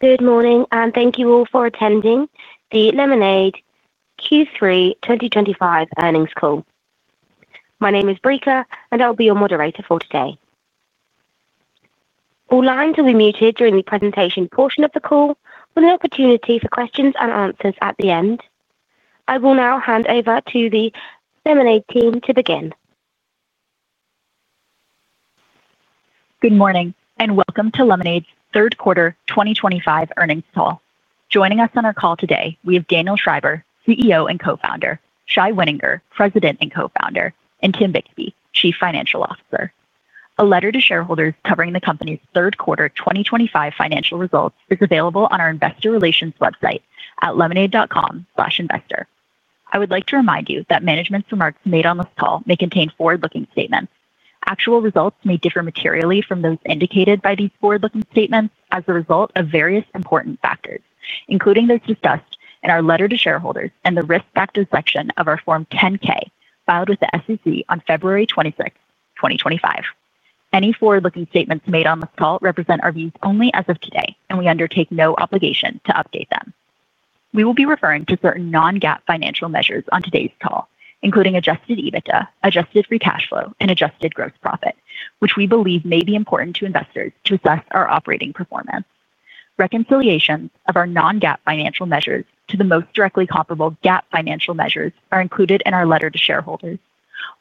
Good morning and thank you all for attending the Lemonade Q3 2025 earnings call. My name is Breca and I'll be your moderator for today. All lines will be muted during the presentation portion of the call with an opportunity for questions and answers at the end. I will now hand over to the Lemonade team to begin. Good morning and welcome to Lemonade's third quarter 2025 earnings call. Joining us on our call today we have Daniel Schreiber, CEO and Co-Founder, Shai Wininger, President and Co-Founder, and Tim Bixby, Chief Financial Officer. A letter to shareholders covering the company's third quarter 2025 financial results is available on our investor relations website at lemonade.com. I would like to remind you that management's remarks made on this call may contain forward-looking statements. Actual results may differ materially from those indicated by these forward-looking statements as a result of various important factors, including those discussed in our letter to shareholders and the Risk Factors section of our Form 10-K filed with the SEC on February 26th, 2025. Any forward-looking statements made on this call represent our views only as of today and we undertake no obligation to update them. We will be referring to certain non-GAAP financial measures on today's call, including adjusted EBITDA, adjusted free cash flow, and adjusted gross profit, which we believe may be important to investors to assess our operating performance. Reconciliations of our non-GAAP financial measures to the most directly comparable GAAP financial measures are included in our letter to Shareholders.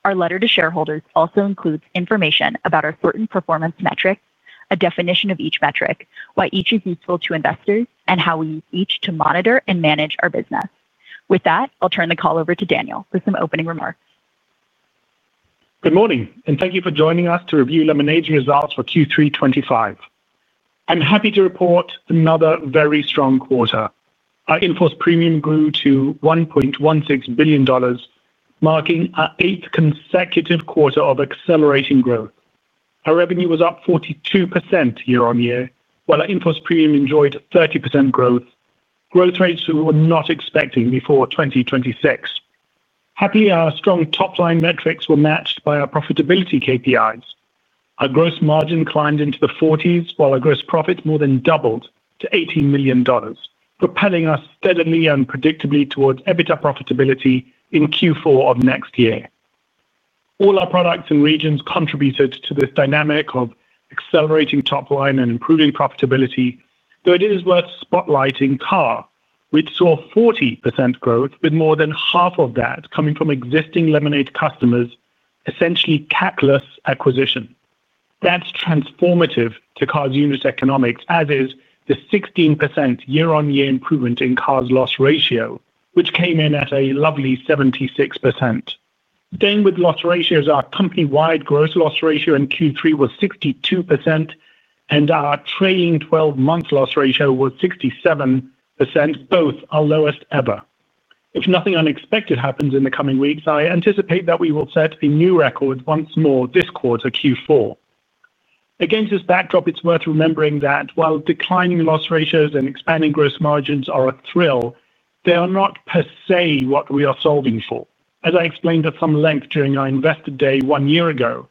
Our letter to Shareholders also includes information about our certain performance metrics, a definition of each metric, why each is useful to investors, and how we use each to monitor and manage our business. With that, I'll turn the call over to Daniel for some opening remarks. Good morning and thank you for joining us to review Lemonade's results for Q3 2025. I'm happy to report another very strong quarter. Our in force premium grew to $1.16 billion, marking our eighth consecutive quarter of accelerating growth. Our revenue was up 42% year on year while our in force premium enjoyed 30% growth, growth rates we were not expecting before 2026. Happily, our strong top line metrics were matched by our profitability KPIs. Our gross margin climbed into the 40s while our gross profit more than doubled to $18 million, propelling us steadily and predictably towards EBITDA profitability in Q4 of next year. All our products and regions contributed to this dynamic of accelerating top line and improving profitability. Though it is worth spotlighting Car which saw 40% growth with more than half of that coming from existing Lemonade customers. Essentially Catalyst acquisition that's transformative to Car's unit economics as is the 16% year on year improvement in Car's loss ratio which came in at a lovely 76%. Staying with loss ratios, our company wide gross loss ratio in Q3 was 62% and our trailing 12 month loss ratio was 67%, both our lowest ever. If nothing unexpected happens in the coming weeks, I anticipate that we will set a new record once more this quarter Q4. Against this backdrop, it's worth remembering that while declining loss ratios and expanding gross margins are a thrill, they are not per se what we are solving for. As I explained at some length during our Investor Day one year ago,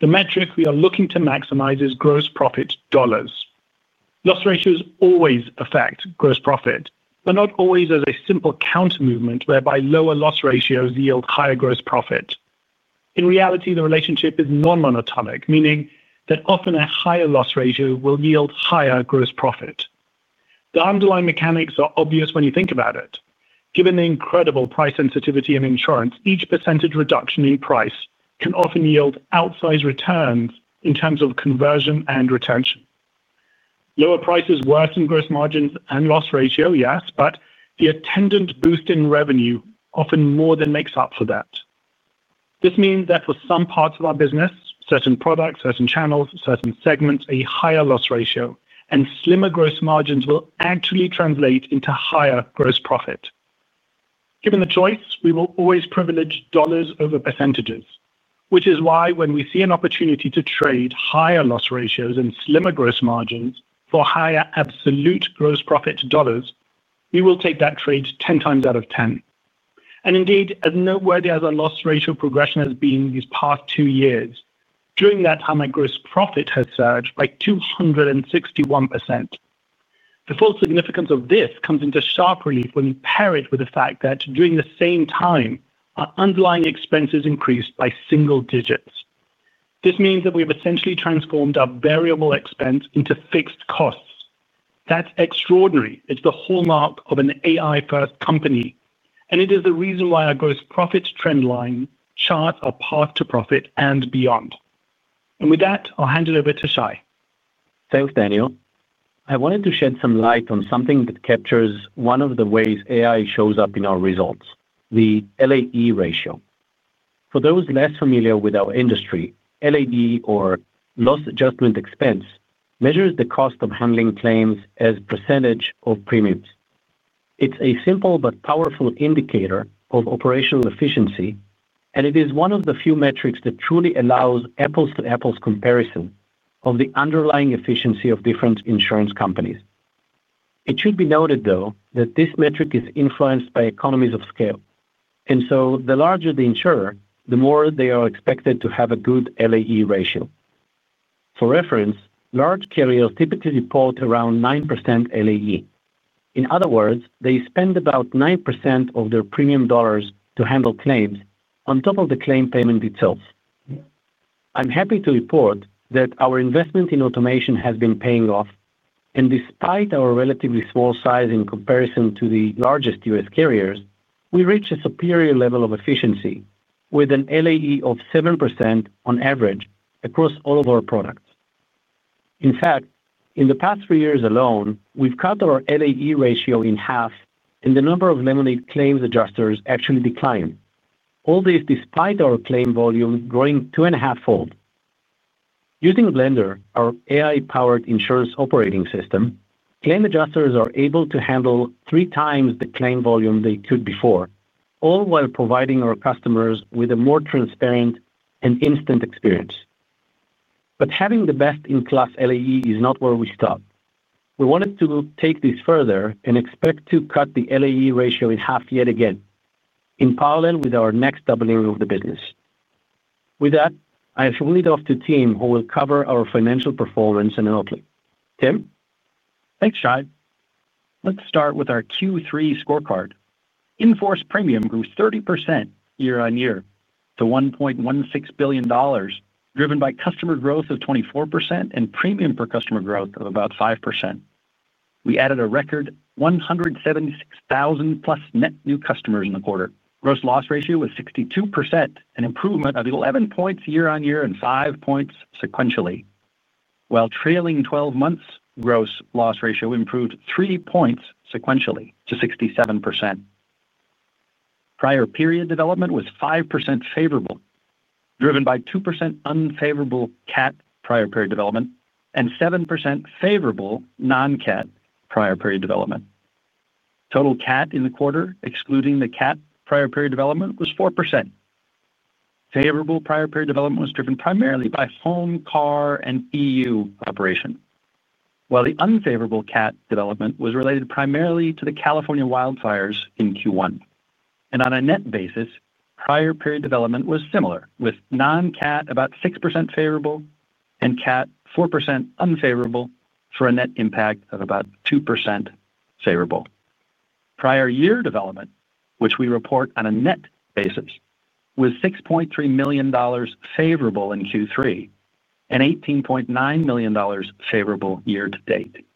the metric we are looking to maximize is gross profit dollars. Loss ratios always affect gross profit, but not always as a simple counter movement whereby lower loss ratios yield higher gross profit. In reality, the relationship is non-monotonic, meaning that often a higher loss ratio will yield higher gross profit. The underlying mechanics are obvious when you think about it. Given the incredible price sensitivity in insurance, each percentage reduction in price can often yield outsized returns in terms of conversion and retention. Lower prices worsen gross margins and loss ratio, yes, but the attendant boost in revenue often more than makes up for that. This means that for some parts of our business, certain products, certain channels, certain segments, a higher loss ratio and slimmer gross margins will actually translate into higher gross profit. Given the choice, we will always privilege dollars over percentages. Which is why when we see an opportunity to trade higher loss ratios and slimmer gross margins for higher absolute gross profit dollars, we will take that trade 10 times out of 10. Indeed, as noteworthy as our loss ratio progression has been these past two years, during that time, my gross profit has surged by 261%. The full significance of this comes into sharp relief when you pair it with the fact that during the same time our underlying expenses increased by single digits. This means that we have essentially transformed our variable expense into fixed costs. That's extraordinary. It's the hallmark of an AI first company. It is the reason why our gross profit trend line charts our path to profit and beyond. With that, I'll hand it over to Shai. Thanks, Daniel. I wanted to shed some light on something that captures one of the ways AI shows up in our results. The LAE ratio, for those less familiar with our industry, LAE or Loss Adjustment Expense, measures the cost of handling claims as a percentage of premiums. It's a simple but powerful indicator of operational efficiency, and it is one of the few metrics that truly allows apples to apples comparison of the underlying efficiency of different insurance companies. It should be noted though that this metric is influenced by economies of scale and so the larger the insurer, the more they are expected to have a good LAE ratio. For reference, large carriers typically report around 9% LAE. In other words, they spend about 9% of their premium dollars to handle claims on top of the claim payment itself. I'm happy to report that our investment in automation has been paying off and despite our relatively small size in comparison to the largest U.S. carriers, we reach a superior level of efficiency with an LAE of 7% on average across all of our products. In fact, in the past three years alone we've cut our LAE ratio in half and the number of Lemonade claims adjusters actually declined. All this despite our claim volume growing two and a half fold. Using Blender, our AI powered insurance operating system, claim adjusters are able to handle three times the claim volume they could before, all while providing our customers with a more transparent and instant experience. Having the best in class LAE is not where we stop. We wanted to take this further and expect to cut the LAE ratio in half yet again in parallel with our next doubling of the business. With that, I hand it off to Tim who will cover our financial performance and outlay. Tim, thanks Shai. Let's start with our Q3 scorecard. In force premium grew 30% year on year to $1.16 billion, driven by customer growth of 24% and premium per customer growth of about 5%. We added a record 176,000 plus net new customers in the quarter. Gross loss ratio was 62%, an improvement of 11 percentage points year on year and 5 percentage points sequentially while trailing 12 months gross loss ratio improved 3 percentage points sequentially to 67%. Prior period development was 5% favorable, driven by 2% unfavorable CAT prior period development and 7% favorable non CAT prior period development. Total CAT in the quarter excluding the CAT prior period development was 4% favorable. Prior period development was driven primarily by Home, Car and EU operation, while the unfavorable CAT development was related primarily to the California wildfires in Q1 and on a net basis prior period development was similar with non CAT about 6% favorable and CAT 4% unfavorable for a net impact of about 2% favorable. Prior year development, which we report on a net basis was $6.3 million favorable in Q3 and $18.9 million favorable year to date.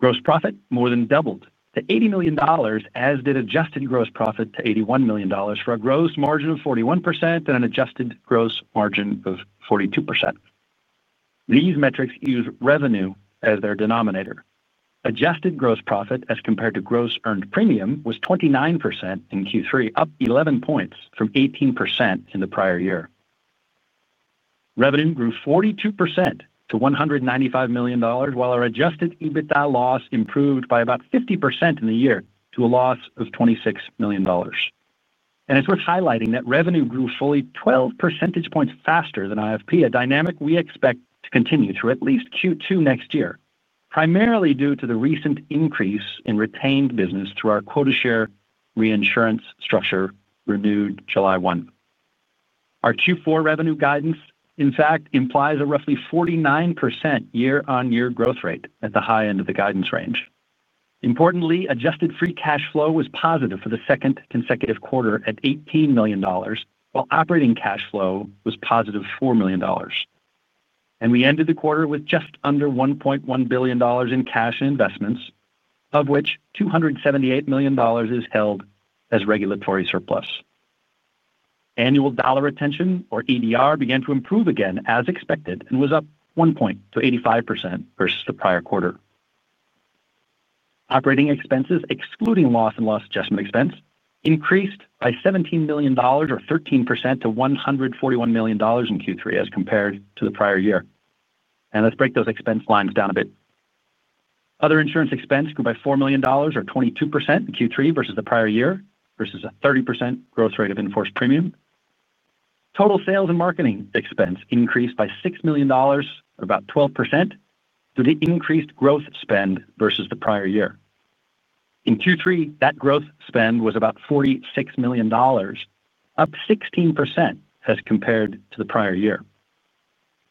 Gross profit more than doubled to $80 million, as did adjusted gross profit to $81 million for a gross margin of 41% and an adjusted gross margin of 42%. These metrics use revenue as their denominator. Adjusted gross profit as compared to gross earned premium was 29% in Q3, up 11 points from 18% in the prior. Revenue grew 42% to $195 million, while our adjusted EBITDA loss improved by about 50% in the year to a loss of $26 million. It is worth highlighting that revenue grew fully 12 percentage points faster than IFP, a dynamic we expect to continue through at least Q2 next year, primarily due to the recent increase in retained business through our quota share reinsurance structure renewed July 1. Our Q4 revenue guidance in fact implies a roughly 49% year-on-year growth rate at the high end of the guidance range. Importantly, adjusted free cash flow was positive for the second consecutive quarter at $18 million, while operating cash flow was positive $4 million, and we ended the quarter with just under $1.1 billion in cash investments, of which $278 million is held as regulatory surplus. Annual dollar retention or EDR began to improve again as expected and was up 1 point to 85% versus the prior quarter. Operating expenses excluding loss and loss adjustment expense increased by $17 million or 13% to $141 million in Q3 as compared to the prior year. Let's break those expense lines down a bit. Other insurance expense grew by $4 million or 22% in Q3 versus the prior year, versus a 30% growth rate of in force premium. Total sales and marketing expense increased by $6 million or about 12% through the increased growth spend versus the prior year. In Q3 that growth spend was about $46 million, up 16% as compared to the prior year.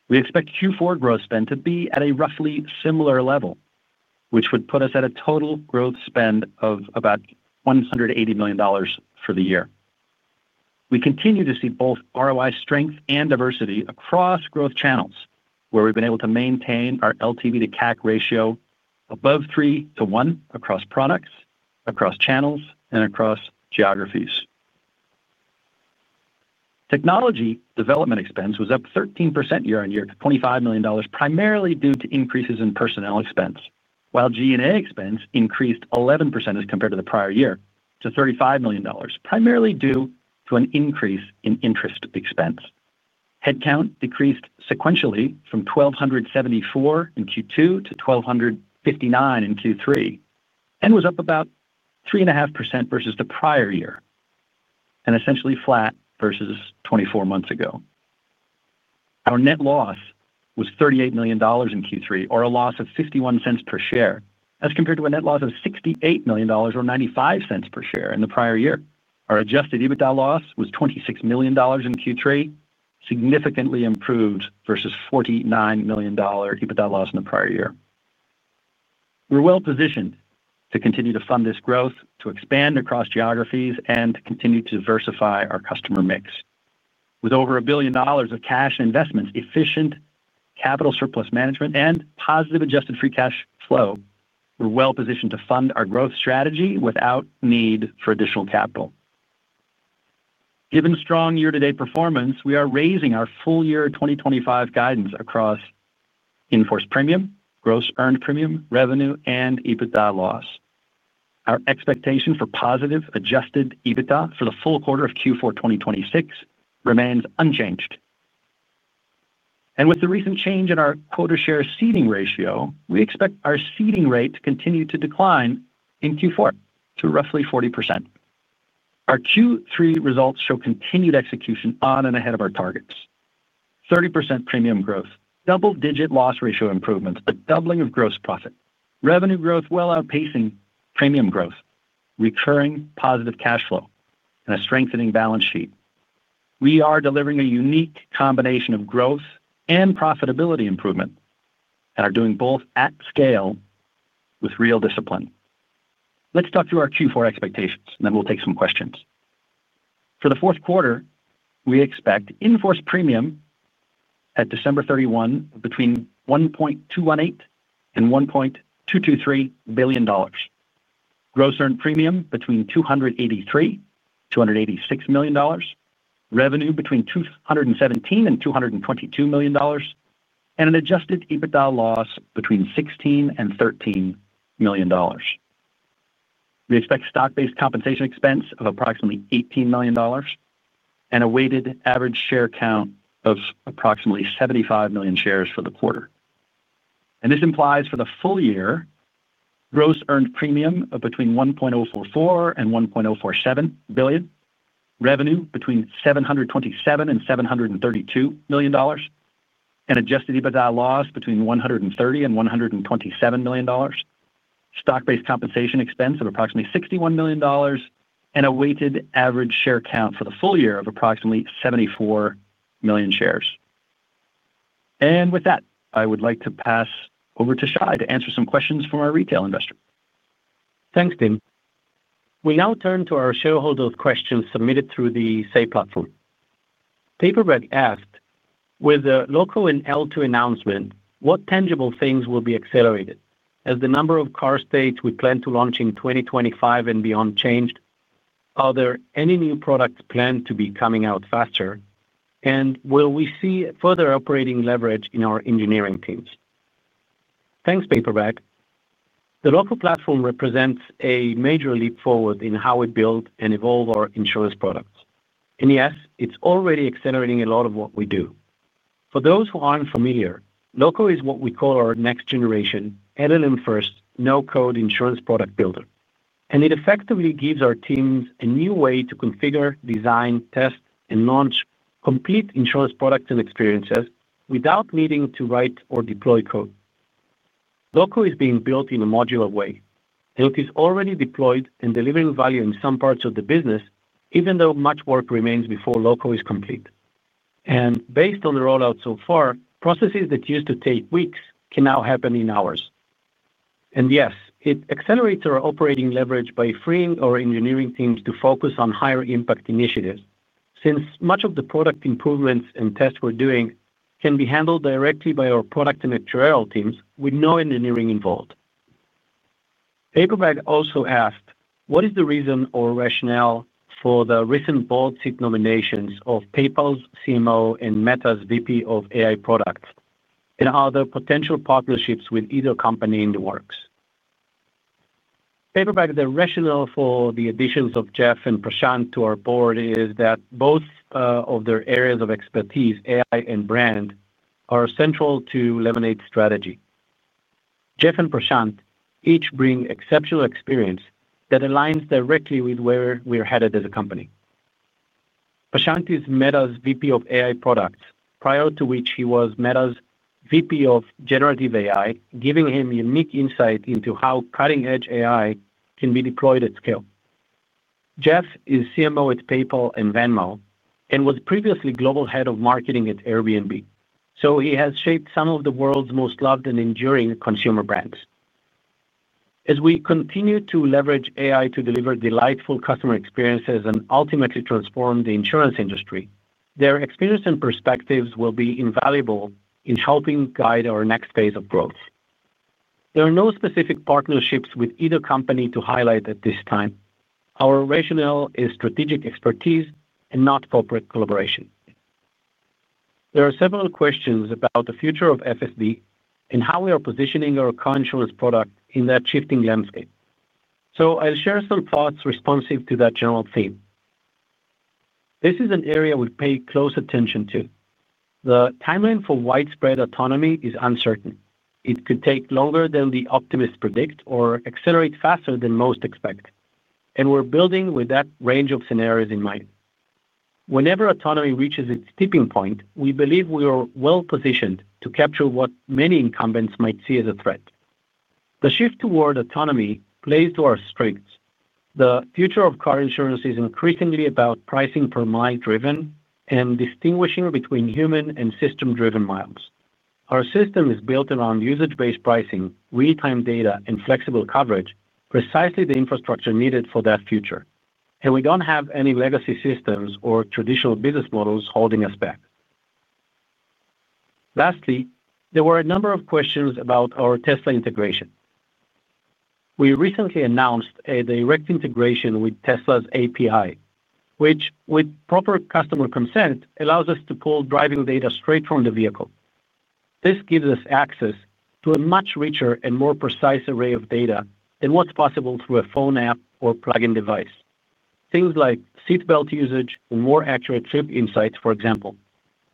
We expect Q4 growth spend to be at a roughly similar level, which would put us at a total growth spend of about $180 million for the year. We continue to see both ROI strength and diversity across growth channels where we've been able to maintain our LTV to CAC ratio above 3 to 1 across products, across channels and across geographies. Technology development expense was up 13% year on year to $25 million primarily due to increases in personnel expense, while G and A expense increased 11% as compared to the prior year to $35 million primarily due to an increase in interest expense. Headcount decreased sequentially from 1,274 in Q2 to 1,205 in Q3 and was up about 3.5% versus the prior year and essentially flat versus 24 months ago. Our net loss was $38 million in Q3 or a loss of $0.51 per share as compared to a net loss of $68 million or $0.95 per share in the prior year. Our adjusted EBITDA loss was $26 million in Q3, significantly improved vs $49 million EBITDA loss in the prior year. We're well positioned to continue to fund this growth, to expand across geographies, and continue to diversify our customer mix. With over a billion dollars of cash investments, efficient capital surplus management, and positive adjusted free cash flow, we're well positioned to fund our growth strategy without need for additional capital. Given strong year to date performance, we are raising our full year 2025 guidance across in force premium, gross earned premium revenue, and EBITDA loss. Our expectation for positive adjusted EBITDA for the full quarter of Q4 2026 remains unchanged, and with the recent change in our quota share ceding ratio, we expect our ceding rate to continue to decline in Q4 to roughly 40%. Our Q3 results show continued execution on and ahead of our targets: 30% premium growth, double-digit loss ratio improvements, a doubling of gross profit, revenue growth well outpacing premium growth, recurring positive cash flow, and a strengthening balance sheet. We are delivering a unique combination of growth and profitability improvement and are doing both at scale with real discipline. Let's talk through our Q4 expectations and then we'll take some questions. For the fourth quarter, we expect in force premium at December 31 between $1.218 billion and $1.223 billion, gross earned premium between $283 million and $286 million, revenue between $217 million and $222 million, and an adjusted EBITDA loss between $16 million and $13 million. We expect stock based compensation expense of approximately $18 million and a weighted average share count of approximately 75 million shares for the quarter. This implies for the full year gross earned premium of between $1.044 billion and $1.047 billion, revenue between $727 million and $732 million, an adjusted EBITDA loss between $130 million and $127 million, stock based compensation expense of approximately $61 million, and a weighted average share count for the full year of approximately 74 million shares. I would like to pass over to Shai to answer some questions from our retail investor. Thanks Tim. We now turn to our shareholder questions submitted through the SEI platform. Paperback asked, with the LOCO and L2 announcement, what tangible things will be accelerated? Has the number of car states we plan to launch in 2025 and beyond changed? Are there any new products planned to be coming out faster, and will we see further operating leverage in our engineering teams? Thanks, Paperback. The LOCO platform represents a major leap forward in how we build and evolve our insurance products, and yes, it's already accelerating a lot of what we do. For those who aren't familiar, LOCO is what we call our next generation LLM-first no-code insurance product builder, and it effectively gives our teams a new way to configure, design, test, and launch complete insurance products and experiences without needing to write or deploy code. LOCO is being built in a modular way and it is already deployed and delivering value in some parts of the business. Even though much work remains before LOCO is complete and based on the rollout so far, processes that used to take weeks can now happen in hours. Yes, it accelerates our operating leverage by freeing our engineering teams to focus on higher impact initiatives since much of the product improvements and tests we're doing can be handled directly by our product and actuarial teams with no engineering involved. Paperback also asked what is the reason or rationale for the recent board seat nominations of PayPal's CMO and Meta's VP of AI Products and other potential partnerships with either company in the works? The rationale for the additions of Jeff and Prashant to our board is that both of their areas of expertise, AI and brand, are central to Lemonade's strategy. Jeff and Prashant each bring exceptional experience that aligns directly with where we are headed as a company. Prashant is Meta's VP of AI Products, prior to which he was Meta's VP of Generative AI, giving him unique insight into how cutting edge AI can be deployed at scale. Jeff is CMO at PayPal and Venmo and was previously Global Head of Marketing at Airbnb, so he has shaped some of the world's most loved and enduring consumer brands. As we continue to leverage AI to deliver delightful customer experiences and ultimately transform the insurance industry, their experience and perspectives will be invaluable in helping guide our next phase of growth. There are no specific partnerships with either company to highlight at this time. Our rationale is strategic expertise and not corporate collaboration. There are several questions about the future of FSB and how we are positioning our coinsurance product in that shifting landscape. I will share some thoughts responsive to that general theme. This is an area we pay close attention to. The timeline for widespread autonomy is uncertain. It could take longer than the optimists predict or accelerate faster than most expectations, and we are building with that range of scenarios in mind. Whenever autonomy reaches its tipping point, we believe we are well positioned to capture what many incumbents might see as a threat. The shift toward autonomy plays to our strengths. The future of car insurance is increasingly about pricing per mile driven and distinguishing between human and system driven miles. Our system is built around usage based pricing, real time data and flexible coverage, precisely the infrastructure needed for that future, and we do not have any legacy systems or traditional business models holding us back. Lastly, there were a number of questions about our Tesla integration. We recently announced a direct integration with Tesla's API, which with proper customer consent allows us to pull driving data straight from the vehicle. This gives us access to a much richer and more precise array of data than what is possible through a phone, app or plug in device. Things like seat belt usage, more accurate trip insights, for example.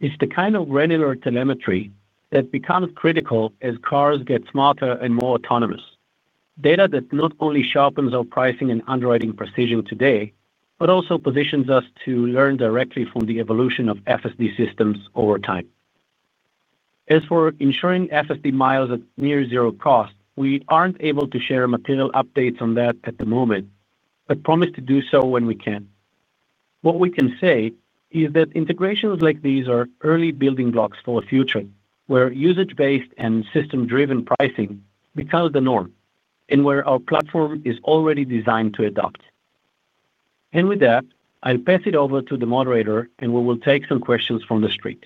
It is the kind of granular telemetry that becomes critical as cars get smarter and more autonomous, data that not only sharpens our pricing and underwriting precision today, but also positions us to learn directly from the evolution of FSD systems over time. As for ensuring FSD miles at near zero cost, we aren't able to share material updates on that at the moment, but promise to do so when we can. What we can say is that integrations like these are early building blocks for the future where usage based and system driven pricing becomes the norm and where our platform is already designed to adopt. With that, I'll pass it over to the moderator and we will take some questions from the street.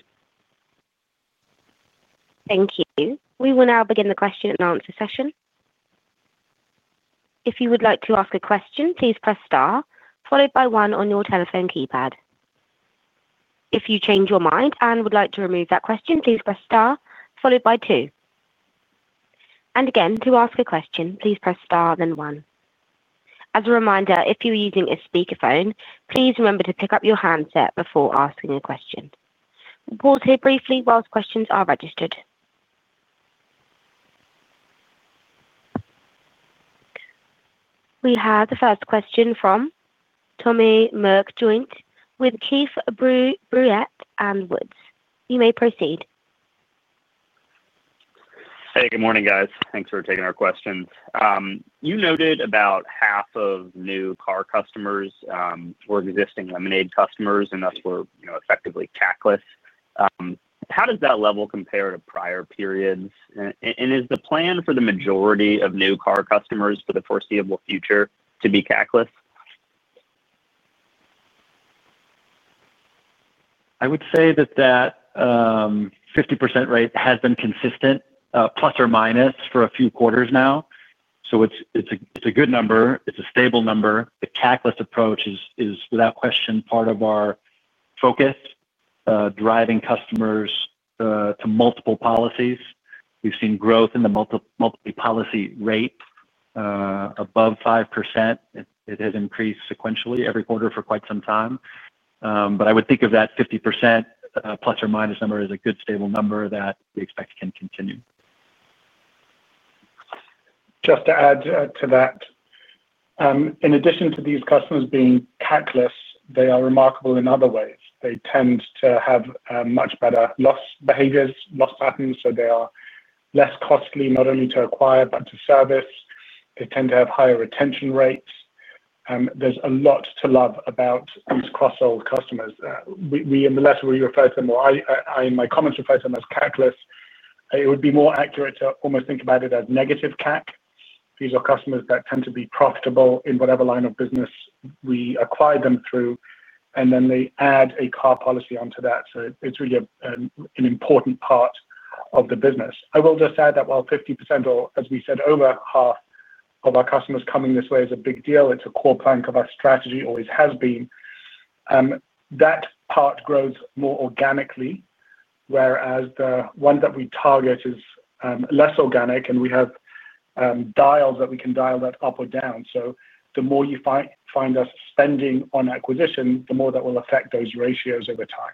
Thank you. We will now begin the question and answer session. If you would like to ask a question, please press star followed by one on your telephone keypad. If you change your mind and would like to remove that question, please press star followed by two and again. To ask a question please press Star then one. As a reminder, if you are using a speakerphone, please remember to pick up your handset before asking a question. Pause here briefly whilst questions are registered. We have the first question from Tommy McJoynt with Keefe Bruyette and Woods. You may proceed. Hey, good morning guys. Thanks for taking our questions. You noted about half of new Car customers were existing Lemonade customers and thus were effectively CAC-less. How does that level compare to prior periods, and is the plan for the majority of new Car customers for the foreseeable future to be CAC-less? I would say that that 50% rate has been consistent, plus or minus, for a few quarters now. It's a good number, it's a stable number. The CAC-less approach is without question part of our focus, driving customers to multiple policies. We've seen growth in the multiple policy rate above 5%. It has increased sequentially every quarter for quite some time. I would think of that 50% plus or minus number as a good, stable number that we expect can continue. Just to add to that, in addition to these customers being catless, they are remarkable in other ways. They tend to have much better loss behaviors, loss patterns, so they are less costly not only to acquire but to service. They tend to have higher retention rates. There is a lot to love about these cross sold customers. We in the letter refer to them, or I in my comments refer to them as catless. It would be more accurate to almost think about it as negative CAC. These are customers that tend to be profitable in whatever line of business we acquired them through and then they add a car policy onto that. It is really an important part of the business. I will just add that while 50% or, as we said, over half of our customers coming this way is a big deal, it is a core plank of our strategy, always has been. That part grows more organically, whereas the one that we target is less organic. We have dials that we can dial up or down. The more you find us spending on acquisition, the more that will affect those ratios over time.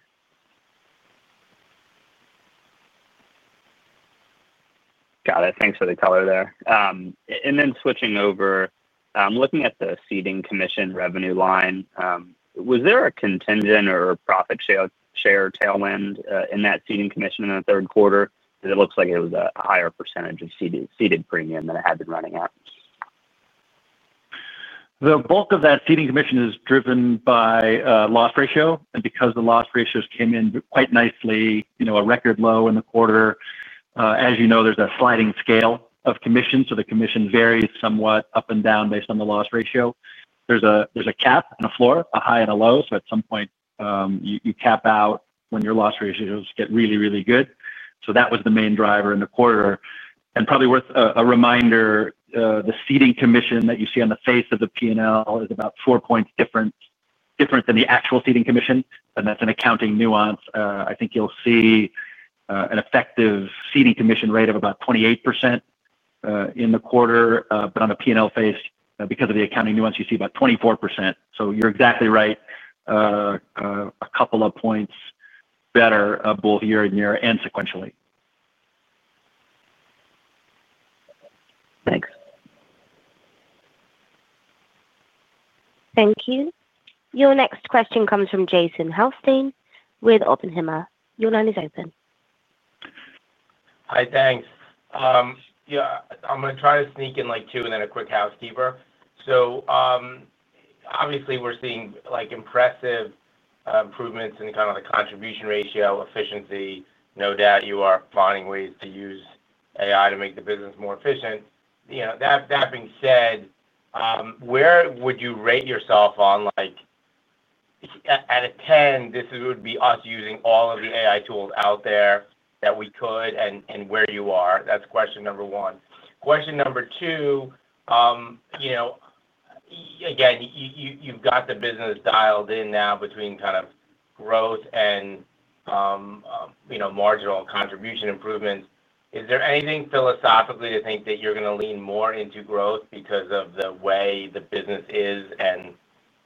Got it. Thanks for the color there. Then switching over, looking at the ceding commission revenue line, was there a contingent or profit share tailwind in that ceding commission in the third quarter? It looks like it was a higher percentage of ceded premium than it had been running at. The bulk of that ceding commission is driven by loss ratio. And because the loss ratios came in quite nicely, you know, a record low in the quarter. As you know, there's a slight scale of commission, so the commission varies somewhat up and down based on the loss ratio. There's a cap and a floor, a high and a low. At some point you cap out when your loss ratios get really, really good. That was the main driver in the quarter. is probably worth a reminder, the ceding commission that you see on the face of the P and L is about 4 points different than the actual ceding commission. That is an accounting nuance. I think you'll see an effective ceding commission rate of about 28% in the quarter. On a P and L face because of the accounting nuance, you see about 24%. You are exactly right. A couple of points better both year on year and sequentially. Thanks. Thank you. Your next question comes from Jason Helfstein with Oppenheimer. Your line is open. Hi.Thanks. Yeah, I'm going to try to sneak in like two and then a quick housekeeper. Obviously we're seeing like impressive improvements in kind of the contribution ratio efficiency. No doubt you are finding ways to use AI to make the business more efficient. You know, that being said, where would you rate yourself, like at a 10, this would be us using all of the AI tools out there that we could and where you are, that's question number one. Question number two, again, you've got the business dialed in now between kind of growth and marginal contribution improvements. Is there anything philosophically to think that you're going to lean more into growth because of the way the business is and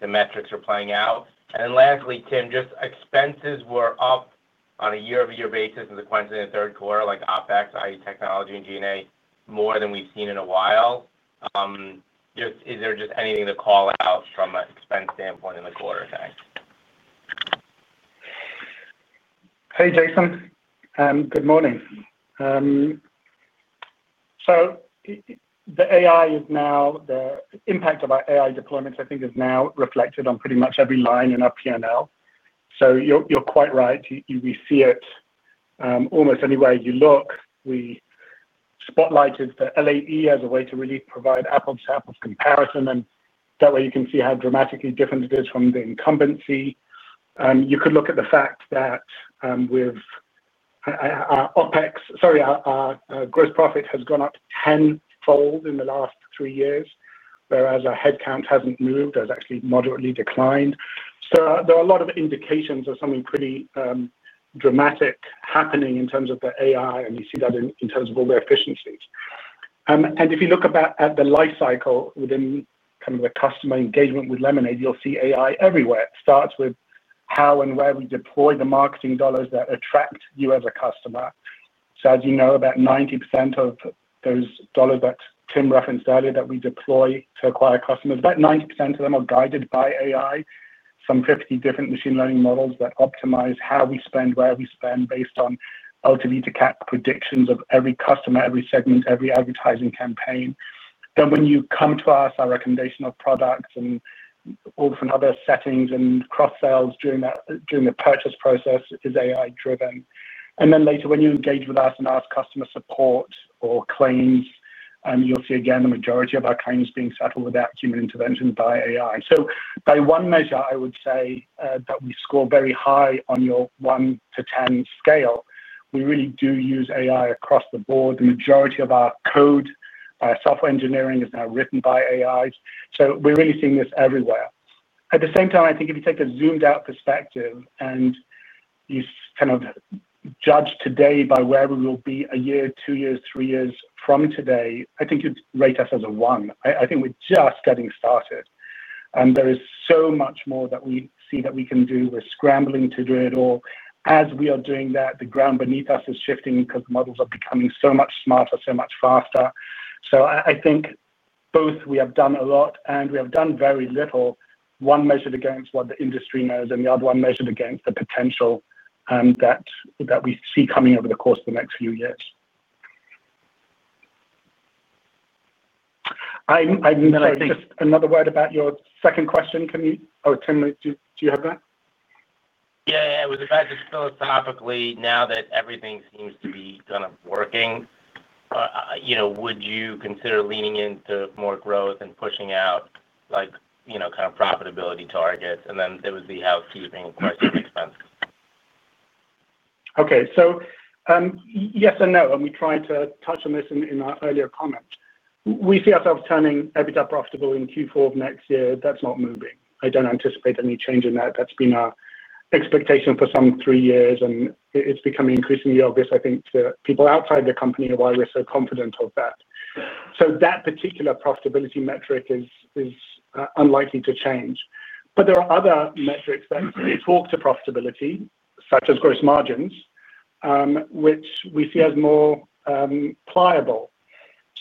the metrics are playing out? Tim, just expenses were up on a year-over-year basis and sequentially in the third quarter like OpEx, i.e., technology and G&A, more than we've seen in a while. Is there just anything to call out from an expense standpoint in the quarter? Hey Jason, good morning. The AI is now, the impact of our AI deployments I think is now reflected on pretty much every line in our P&L. You're quite right, we see it almost anywhere you look. We spotlighted the LAE as a way to really provide apple-to-apples comparison and that way you can see how dramatically different it is from the incumbency. You could look at the fact that with OpEx, sorry, gross profit has gone up tenfold in the last three years, whereas our headcount has not moved, has actually moderately declined. There are a lot of indications of something pretty dramatic happening in terms of the AI. You see that in terms of all the efficiencies. If you look at the lifecycle within the customer engagement with Lemonade, you'll see AI everywhere. It starts with how and where we deploy the marketing dollars that attract you as a customer. As you know, about 90% of those dollars that Tim referenced earlier that we deploy to acquire customers, about 90% of them are guided by AI, some 50 different machine learning models that optimize how we spend, where we spend based on ultimate predictions of every customer, every segment, every advertising campaign. When you come to us, our recommendation of products and all from other settings and cross sales during the purchase process is AI driven. Later when you engage with us and ask customer support claims and you'll see again the majority of our claims being settled without human intervention by AI. By one measure I would say that we score very high on your 1 to 10 scale. We really do use AI across the board. The majority of our code software engineering is now written by AI. We are really seeing this everywhere. At the same time, I think if you take a zoomed out perspective and you kind of judge today by where we will be a year, two years, three years from today, I think you would rate us as a one. I think we are just getting started and there is so much more that we see that we can do. We are scrambling to do it all. As we are doing that, the ground beneath us is shifting because the models are becoming so much smarter, so much faster. I think both we have done a lot and we have done very little. One measured against what the industry knows and the other one measured against the potential that we see coming over the course of the next few years. Another word about your second question. Can you. Oh, Tim, do you have that? Yeah, it was about just philosophically, now that everything seems to be kind of working, you know, would you consider leaning into more growth and pushing out, like, you know, kind of profitability targets? And then there was the housekeeping expense. Okay, yes and no. We tried to touch on this in our earlier comments. We see ourselves turning EBITDA profitable in Q4 of next year. That's not moving. I do not anticipate any change in that. That's been our expectation for some three years. It is becoming increasingly obvious, I think, to people outside the company why we are so confident of that. That particular profitability metric is unlikely to change. There are other metrics that talk to profitability such as gross margins, which we see as more pliable.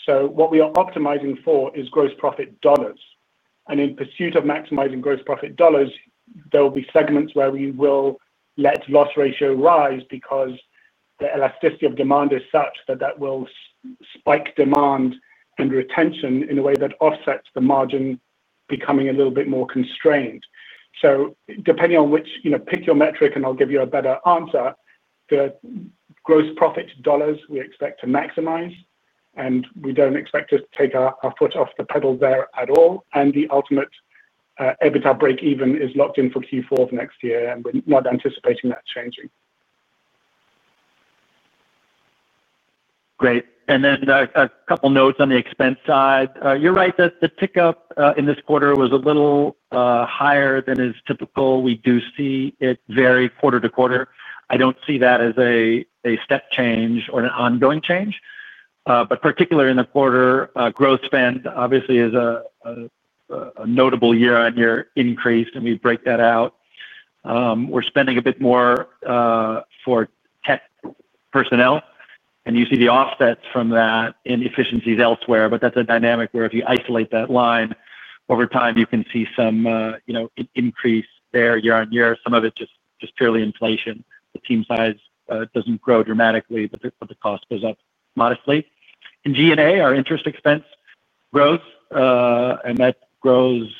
What we are optimizing for is gross profit dollars. In pursuit of maximizing gross profit dollars, there will be segments where we will let loss ratio rise because the elasticity of demand is such that that will spike demand and retention in a way that offsets the margin becoming a little bit more constrained. Depending on which, you know, pick your metric and I'll give you a better answer. The gross profit dollars we expect to maximize and we don't expect to take our foot off the pedal there at all and the ultimate EBITDA break even is locked in for Q4 of next year and we're not anticipating that changing. Great.A couple notes on the expense side. You're right that the tick up in this quarter was a little higher than is typical. We do see it vary quarter to quarter. I don't see that as a step change or an ongoing change, but particularly in the quarter growth spend obviously is a notable year on year increase and we break that out, we're spending a bit more for tech personnel and you see the offsets from that inefficiencies elsewhere. That's a dynamic where if you isolate that line over time you can see some increase there year on year, some of it just purely inflation. The team size doesn't grow dramatically, but the cost goes up modestly in G&A, our interest expense growth. That grows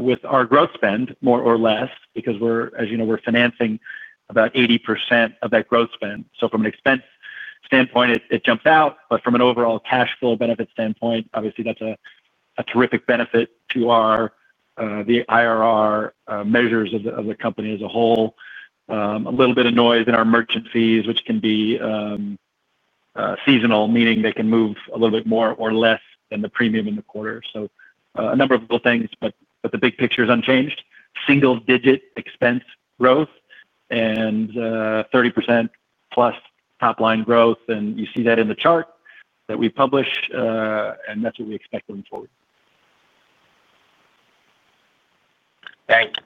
with our growth spend more or less because, as you know, we're financing about 80% of that growth spend. From an expense standpoint it jumps out, but from an overall cash flow benefit standpoint, obviously that's a terrific benefit to our IRR measures of the company as a whole. There is a little bit of noise in our merchant fees, which can be seasonal, meaning they can move a little bit more or less than the premium in the quarter. There are a number of little things, but the big picture is unchanged single-digit expense growth and 30%+ top line growth. You see that in the chart that we publish and that's what we expect going forward. Thanks.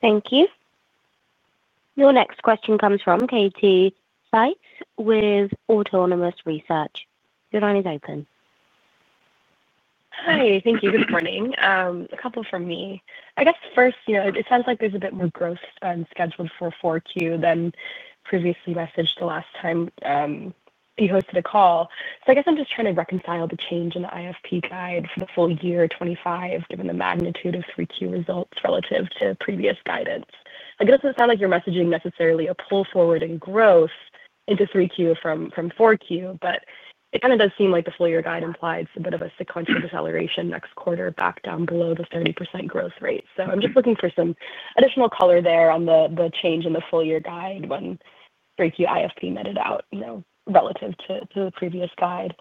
Thank you. Your next question comes from Katie Sakys with Autonomous Research. Your line is open. Hi. Thank you. Good morning. A couple from me, I guess. First, you know, it sounds like there's a bit more growth scheduled for 4Q than previously messaged the last time he hosted a call. I guess I'm just trying to reconcile the change in the IFP guide for the full year 2025. Given the magnitude of 3Q results relative to previous guidance, it doesn't sound like you're messaging necessarily a pull forward in growth into 3Q from 4Q. It kind of does seem like the full year guide implies a bit of a sequential deceleration next quarter back down below the 30% growth rate. I'm just looking for some additional color there on the change in the full year guide when IFP net it out, you know, relative to the previous guide.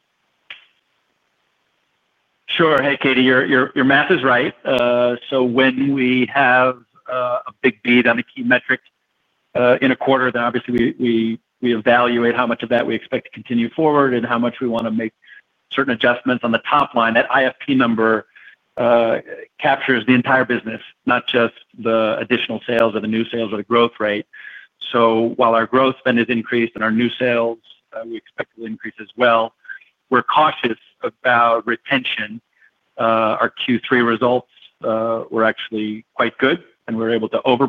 Sure. Hey Katie, your math is right. When we have a big beat on a key metric in a quarter, then obviously we evaluate how much of that we expect to continue forward and how much we want to make certain adjustments on the top line. That IFP number captures the entire business, not just the additional sales or the new sales or the growth rate. While our growth spend is increased and our new sales, we expect it will increase as well. We're cautious about retention. Our Q3 results were actually quite good and we were able to over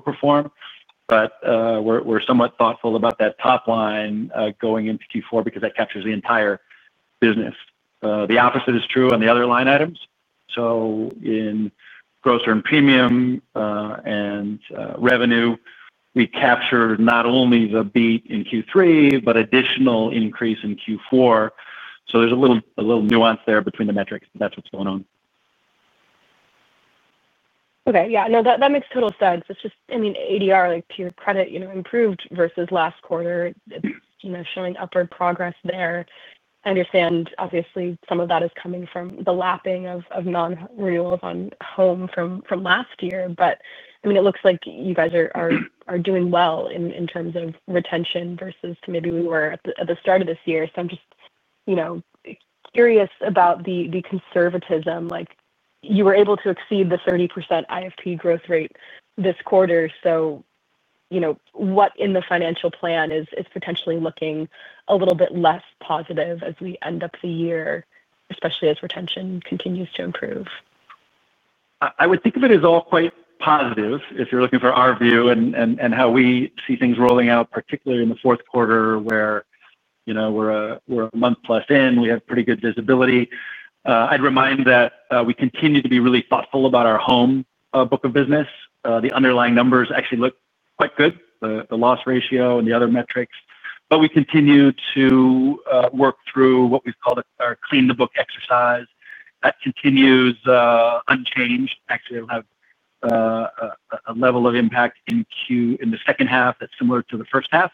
perform. We're somewhat thoughtful about that top line going into Q4 because that captures the entire business. The opposite is true on the other line items. In gross earned premium and revenue, we captured not only the beat in Q3 but additional increase in Q4. There's a little, a little nuance there between the metrics. That's what's going on. Okay, yeah, no, that makes total sense. It's just, I mean, ADR to your credit, you know, improved versus last quarter, you know, showing upward progress there. I understand obviously some of that is coming from the lapping of non renewals on Home from last year. But I mean, it looks like you guys are doing well in terms of retention versus maybe we were at the start of this year. I'm just, you know, curious about the conservatism. Like you were able to exceed the 30% IFP growth rate this quarter. What in the financial plan is potentially looking a little bit less positive as we end up the year, especially as retention continues to improve. I would think of it as all quite positive if you're looking for our view and how we see things rolling out, particularly in the fourth quarter where, you know, we're a month plus in, we have pretty good visibility. I'd remind that we continue to be really thoughtful about our home book of business. The underlying numbers actually look quite good, the loss ratio and the other metrics. We continue to work through what we call our Clean the book exercise that continues unchanged. Actually it'll have a level of impact in Q in the second half that's similar to the first half,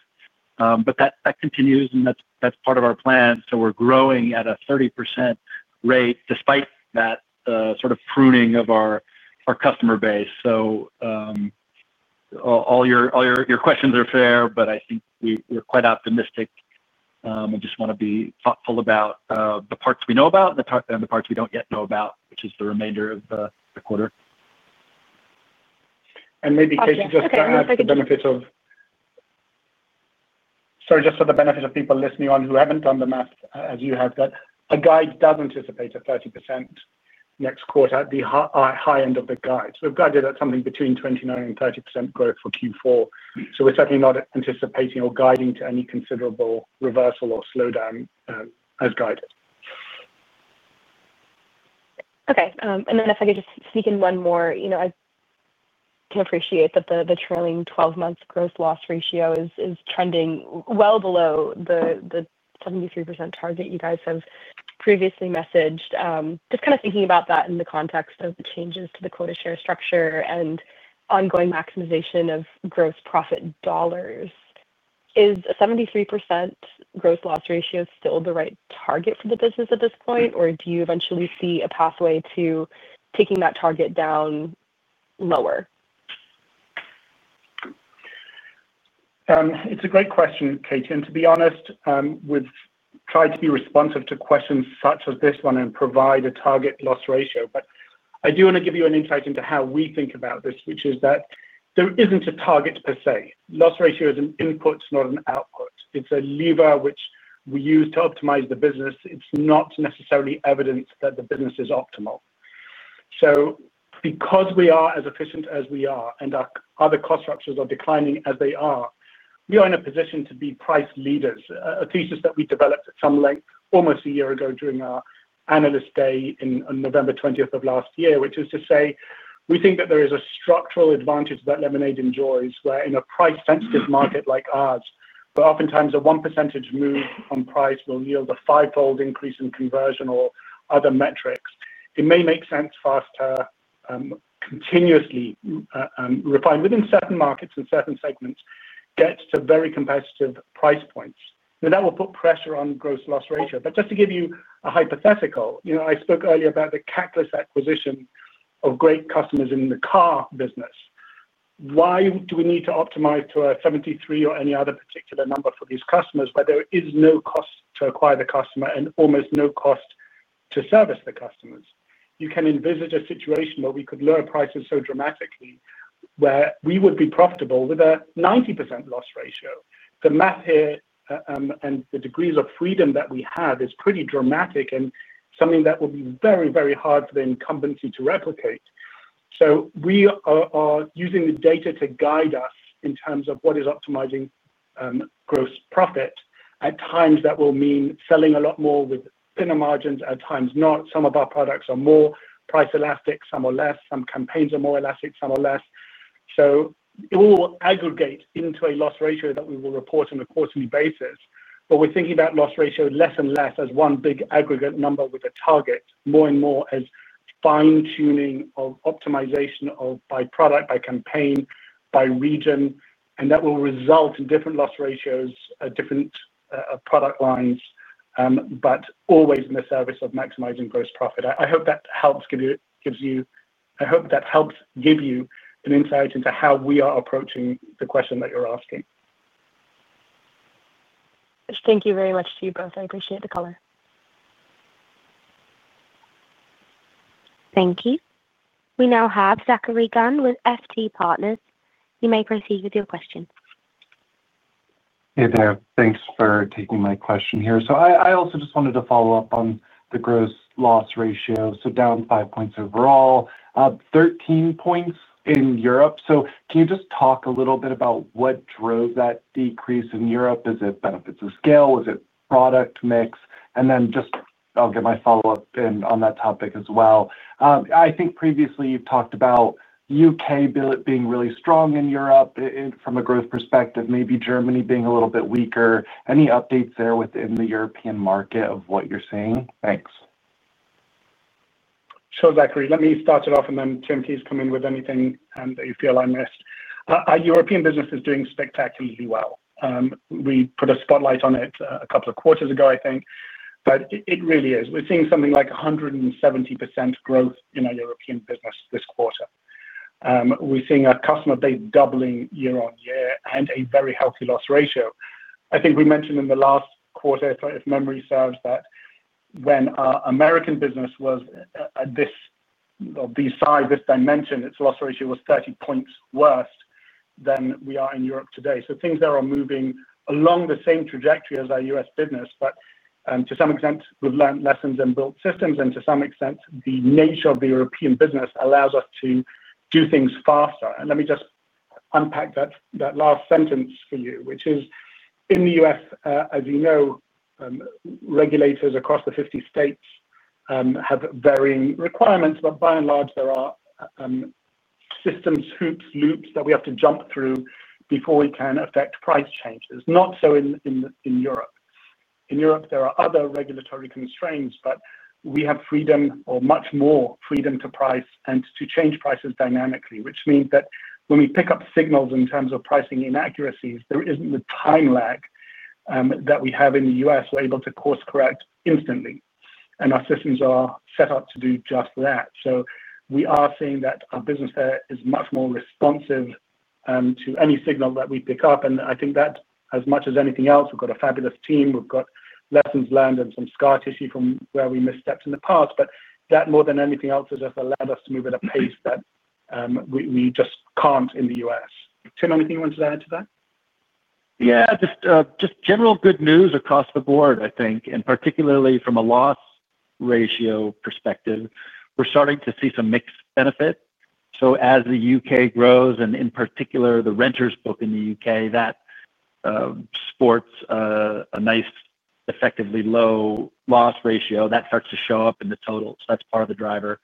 but that continues and that's part of our plan. We are growing at a 30% rate despite that sort of pruning of our customer base. All your questions are fair, but I think we're quite optimistic. I just want to be thoughtful about the parts we know about and the parts we do not yet know about, which is the remainder of the quarter. Maybe Katie, just to add for the benefit of people listening who have not done the math as you have, that our guide does anticipate a 30% next quarter at the high end of the guide. We have guided at something between 29-30% growth for Q4. We are certainly not anticipating or guiding to any considerable reversal or slowdown as guided. Okay. And then if I could just sneak in one more, you know, I can appreciate that the trailing twelve month gross loss ratio is trending well below the 73% target you guys have previously messaged. Just kind of thinking about that in the context of the changes to the quota share structure and ongoing maximization of gross profit dollars. Is 73% gross loss ratio still the right target for the business at this point or do you eventually see a pathway to taking that target down lower? It's a great question, Katie, and to be honest, we've tried to be responsive to questions such as this one and provide a target loss ratio. I do want to give you an insight into how we think about this, which is that there isn't a target per se. Loss ratio is an input, not an output. It's a lever which we use to optimize the business. It's not necessarily evidence that the business is optimal. Because we are as efficient as we are and our other cost structures are declining as they are, we are in a position to be price leaders. A thesis that we developed at some length almost a year ago during our Analyst Day on November 20th of last year. Which is to say we think that there is a structural advantage that Lemonade enjoys where in a price sensitive market like ours. Oftentimes a 1% move on price will yield a fivefold increase in conversion or other metrics. It may make sense faster. Continuously refine within certain markets in certain segments gets to very competitive price points. That will put pressure on gross loss ratio. Just to give you a hypothetical, you know I spoke earlier about the catalyst acquisition of great customers in the car business. Why do we need to optimize to a 73 or any other particular number for these customers where there is no cost to acquire the customer and almost no cost to service the customers? You can envisage a situation where we could lower prices so dramatically, where we would be profitable with a 90% loss ratio. The math here and the degrees of freedom that we have is pretty dramatic and something that will be very, very hard for the incumbency to replicate. We are using the data to guide us in terms of what is optimizing gross profit. At times that will mean selling a lot more with thinner margins, at times not. Some of our products are more price elastic, some are less, some campaigns are more elastic, some are less. It will aggregate into a loss ratio that we will report on a quarterly basis. We are thinking about loss ratio less and less as one big aggregate number with a target, more and more as fine tuning of optimization of by product, by campaign, by region. That will result in different loss ratios, different product lines, but always in the service of maximizing gross profit. I hope that helps give you an insight into how we are approaching the question that you're asking. Thank you very much to you both. I appreciate the color. Thank you. We now have Zachary Gunn with FT Partners. You may proceed with your question. Hey there. Thanks for taking my question here. I also just wanted to follow. Up on the gross loss ratio. Down five points overall, 13 points in Europe. Can you just talk a little bit about what drove that decrease in Europe? Is it benefits of scale? Was it product mix? Just. I'll get my follow up on that topic as well. I think previously you've talked about U.K. being really strong in Europe from a growth perspective, maybe Germany being a little bit weaker. Any updates there within the European market of what you're seeing? Thanks. Sure. Zachary, let me start it off and then Tim, please come in with anything that you feel I missed. Our European business is doing spectacularly well. We put a spotlight on it a couple of quarters ago, I think, but it really is. We're seeing something like 170% growth in our European business this quarter. We're seeing a customer base doubling year on year and a very healthy loss ratio. I think we mentioned in the last quarter, if memory serves, that when our American business was this size, this dimension, its loss ratio was 30 percentage points worse than we are in Europe today. Things are moving along the same trajectory as our U.S. business, but to some extent we've learned lessons and built systems and to some extent the nature of the European business allows us to do things faster. Let me just unpack that last sentence for you, which is in the U.S., as you know, regulators across the 50 states have varying requirements, but by and large there are systems, hoops, loops that we have to jump through before we can effect price changes. Not so in Europe. In Europe, there are other regulatory constraints, but we have freedom or much more freedom to price and to change prices dynamically. Which means that when we pick up signals in terms of pricing inaccuracies, there is not the time lag that we have in the U.S., we are able to course correct instantly and our systems are set up to do just that. We are seeing that our business there is much more responsive to any signal that we pick up. I think that as much as anything else, we've got a fabulous team, we've got lessons learned and some scar tissue from where we missteps in the past, but that more than anything else has just allowed us to move at a pace that we just can't in the U.S. Tim, anything you wanted to add to that? Yeah, just general good news across the board, I think, and particularly from a loss ratio perspective, we're starting to see some mix benefit. As the U.K. grows, and in particular the renters book in the U.K., that sports a nice, effectively low loss ratio that starts to show up in the total. That's part of the driver.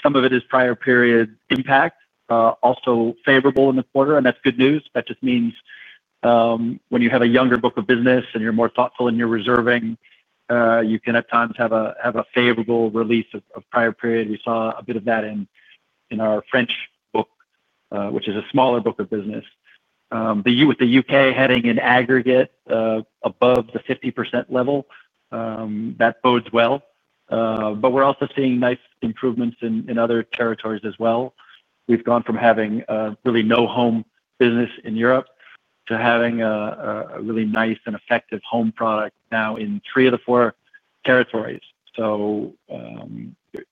Some of it is prior period impact also favorable in the quarter and that's good news. That just means when you have a younger book of business and you're more thoughtful in your reserving, you can at times have a favorable release of prior period. We saw a bit of that in our French book, which is a smaller book of business with the U.K. heading in aggregate above the 50% level. That bodes well. We're also seeing nice improvements in other territories as well. We've gone from having really no home business in Europe to having a really nice and effective Home product now in three of the four territories.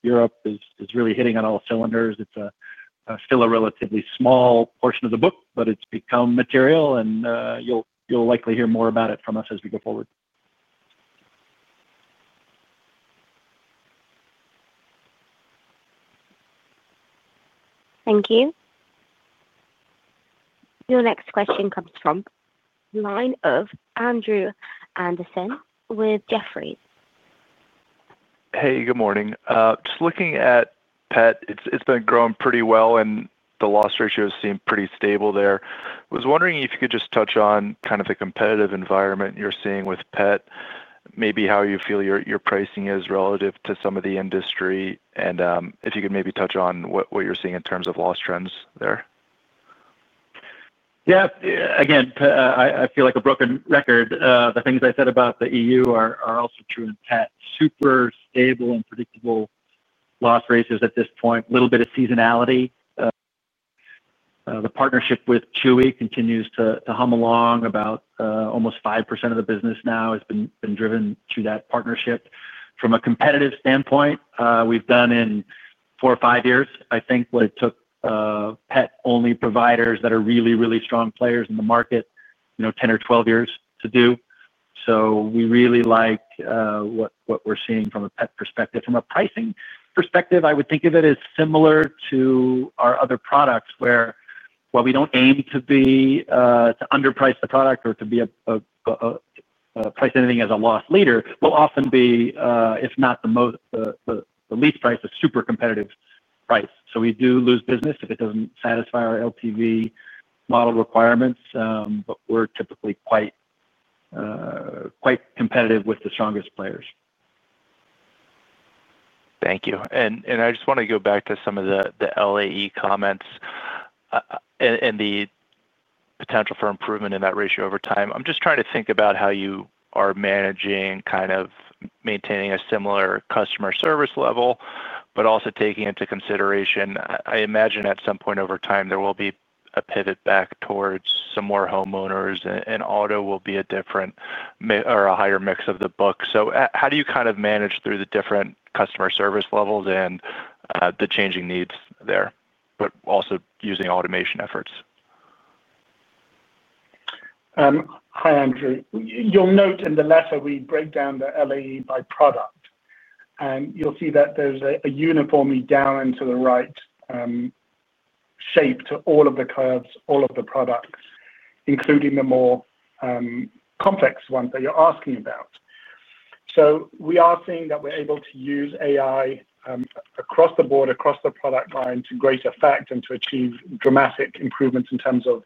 Europe is really hitting on all cylinders. It's still a relatively small portion of the book, but it's become material and you'll likely hear more about it from us as we go forward. Thank you. Your next question comes from the line of Andrew Andersen with Jefferies. Hey, good morning. Just looking at pet, it's been growing pretty well and the loss ratio seemed pretty stable there. Was wondering if you could just touch on kind of the competitive environment you're seeing with pet, maybe how you feel your pricing is relative to some of the industry and if you could maybe touch on what you're seeing in terms of loss trends there. Yeah, again, I feel like a broken record. The things I said about the EU are also true in pet. Super stable and predictable loss ratios at this point. A little bit of seasonality. The partnership with Chewy continues to hum along. About almost 5% of the business now has been driven through that partnership. From a competitive standpoint we've done in four or five years. I think what it took pet-only providers that are really, really strong players in the market, you know, 10 or 12 years to do. We really like what we're seeing from a pet perspective, from a pricing perspective. I would think of it as similar to our other products where while we do not aim to underprice the product or to price anything as a loss leader, we will often be, if not the most, the least price, a super competitive price. We do lose business if it does not satisfy our LTV model requirements, but we are typically quite competitive with the strongest players. Thank you. I just want to go back to some of the LAE comments. And. The potential for improvement in that ratio over time. I'm just trying to think about how you are managing kind of maintaining a similar customer service level, but also taking into consideration, I imagine at some point over time there will be a pivot back towards some more homeowners and auto will be a different or a higher mix of the book. How do you kind of manage through the different customer service levels and the changing needs there, but also using automation efforts? Hi Andrew. You'll note in the letter we break down the LAE by product and you'll see that there's a uniformly down to the right shape, to all of the curves, all of the products, including the more complex ones that you're asking about. We are seeing that we're able to use AI across the board, across the product line to great effect and to achieve dramatic improvements in terms of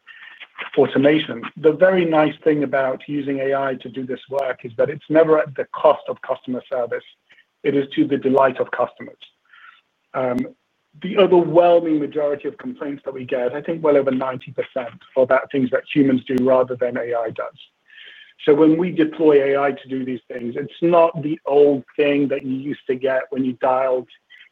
automation. The very nice thing about using AI to do this work is that it's never at the cost of customer service. It is to the delight of customers. The overwhelming majority of complaints that we get, I think well over 90% are about things that humans do rather than AI does. When we deploy AI to do these things, it's not the old thing that you used to get when you dialed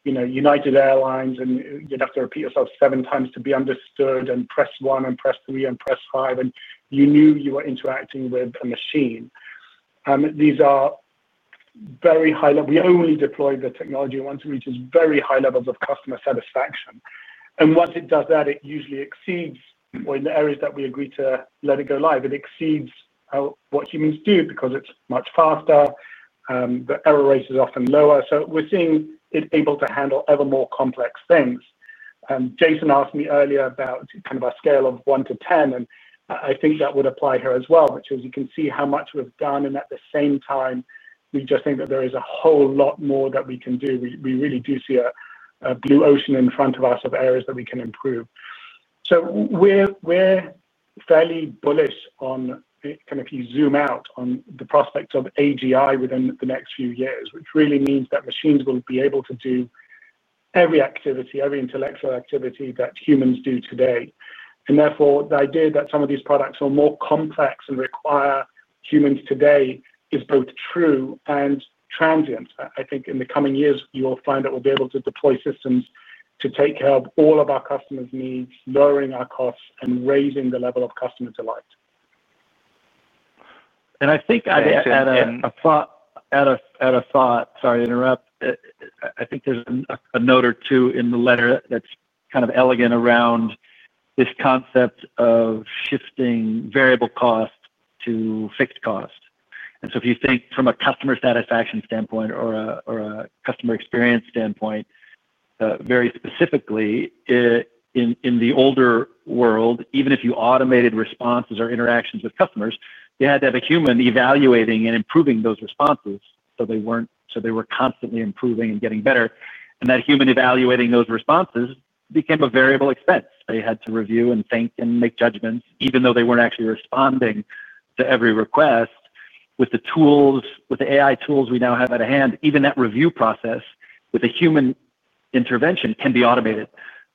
United Airlines and you'd have to repeat yourself seven times to be understood and press 1 and press 3 and press 5 and you knew you were interacting with a machine. These are very high level. We only deploy the technology once it reaches very high levels of customer satisfaction. Once it does that, it usually exceeds or in the areas that we agree to let it go live, it exceeds what humans do because it's much faster. The error rate is often lower. We're seeing it able to handle ever more complex things. Jason asked me earlier about kind of a scale of 1 to 10 and I think that would apply here as well, which is you can see how much we've done and at the same time, we just think that there is a whole lot more that we can do. We really do see a blue ocean in front of us of areas that we can improve. We are fairly bullish on. If you zoom out on the prospects of AGI within the next few years, which really means that machines will be able to do every activity, every intellectual activity that humans do today. Therefore the idea that some of these products are more complex and require humans today is both true and transient. I think in the coming years you will find that we'll be able to deploy systems to take care of all of our customers' needs, lowering our costs and raising the level of customer delight. I think at a thought, sorry to interrupt. I think there's a note or two in the letter that's kind of elegant around this concept of shifting variable cost to fixed cost. If you think from a customer satisfaction standpoint or a customer experience standpoint, very specifically in the older world, even if you automated responses or interactions with customers, you had to have a human evaluating and improving those responses. They were constantly improving and getting better. That human evaluating those responses became a variable expense. They had to review and think and make judgments even though they weren't actually responding to every request with the tools, with the AI tools we now have at hand, even that review process with a human intervention can be automated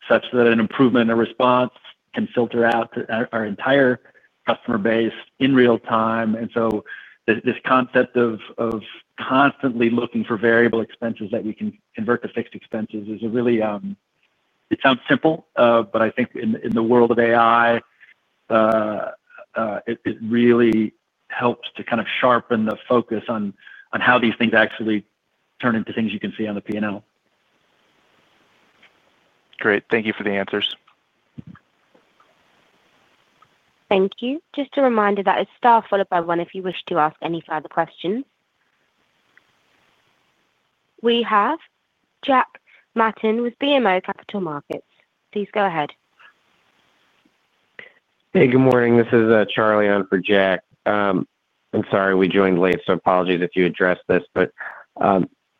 such that an improvement or response can filter out our entire customer base in real time. This concept of constantly looking for variable expenses that we can convert to fixed expenses is a really. It sounds simple, but I think in the world of AI, it really helps to kind of sharpen the focus on how these things actually turn into things you can see on the P and L. Great. Thank you for the answers. Thank you. Just a reminder that it is star followed by one. If you wish to ask any further questions, we have Jack Matin with BMO Capital Markets. Please go ahead. Hey, good morning. This is Charlie on for Jack. I'm sorry we joined late, so apologies if you addressed this, but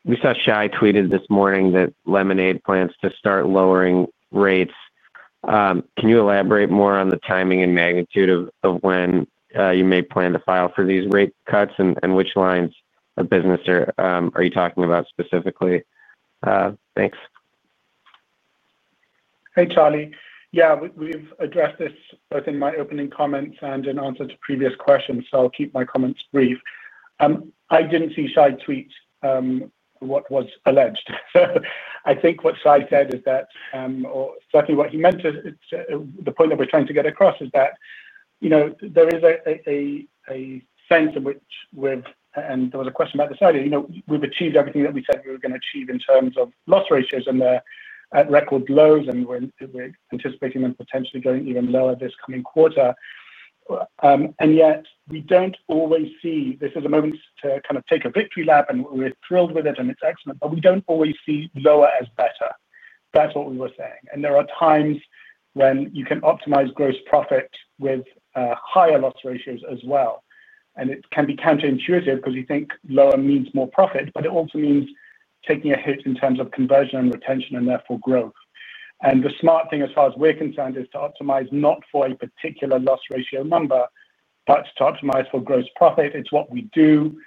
we saw Shai tweeted this morning that Lemonade plans to start lowering rates. Can you elaborate more on the timing and magnitude of when you may plan to file for these rate cuts? And which lines of business are you talking about specifically? Thanks. Hey, Charlie. Yeah, we've addressed this both in my opening comments and in answer to previous questions, so I'll keep my comments brief. I didn't see Shai tweet what was alleged, so I think what Shai said is that. Or certainly what he meant. The point that we're trying to get across is that, you know, there is a sense in which we've, and there was a question about this idea, you know, we've achieved everything that we said we were going to achieve in terms of loss ratios. And they're at record lows and when we're anticipating them potentially going even lower this coming quarter, yet we don't always see this is a moment to kind of take a victory lap. And we're thrilled with it and it's excellent, but we don't want to always see lower as better. That's what we were saying. There are times when you can optimize gross profit with higher loss ratios as well. It can be counterintuitive because we think lower means more profit, but it also means taking a hit in terms of conversion and retention and therefore growth. The smart thing as far as we are concerned is to optimize not for a particular loss ratio number, but to optimize for gross profit. It is what we do.